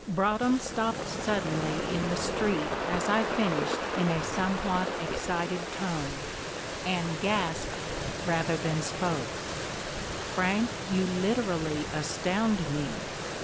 Broadhem stopped suddenly in the street as I finished in a somewhat excited tone, and gasped rather than spoke, "Frank, you literally astound me.